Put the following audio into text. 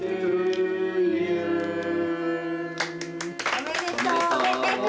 おめでとう。